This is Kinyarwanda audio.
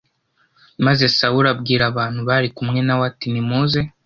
maze sawuli abwira abantu bari kumwe na we ati nimuze